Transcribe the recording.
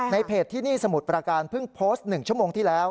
เพจที่นี่สมุทรประการเพิ่งโพสต์๑ชั่วโมงที่แล้ว